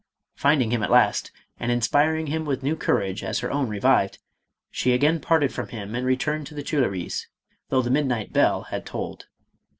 Finding him at last, and inspiring him with new cour age as her own revived, she again parted from him and returned to the Tuileries, though the midnight bell had tolled.